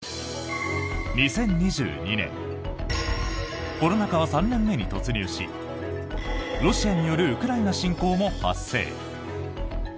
２０２２年コロナ禍は３年目に突入しロシアによるウクライナ侵攻も発生。